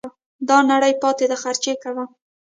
دا نړۍ پاته ده خرچې کوه